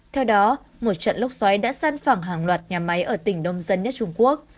theo đó một trận lốc xoáy đã săn phẳng hàng loạt nhà máy ở tỉnh đông dân nhất trung quốc